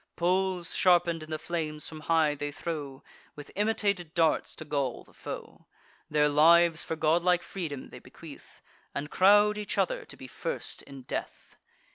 Poles, sharpen'd in the flames, from high they throw, With imitated darts, to gall the foe. Their lives for godlike freedom they bequeath, And crowd each other to be first in death.